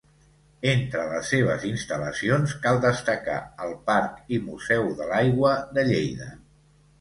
Entre les seves instal·lacions, cal destacar el Parc i Museu de l'aigua de Lleida.